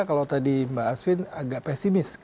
kalau tadi mbak asvin agak pesimis